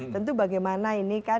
tentu bagaimana ini kan